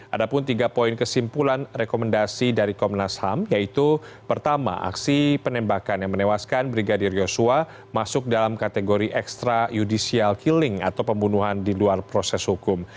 ada pun tiga poin kesimpulan rekomendasi dari komnas ham yaitu pertama aksi penembakan yang menewaskan brigadir yosua masuk dalam kategori extra judicial killing atau pembunuhan di luar proses hukum